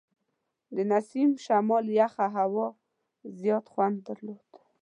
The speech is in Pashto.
د نسیم شمال یخه هوا زیات خوند درلود.